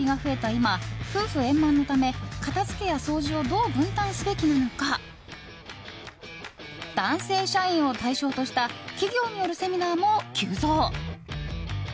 今夫婦円満のため片付けや掃除をどう分担すべきなのか男性社員を対象とした企業によるセミナーも急増。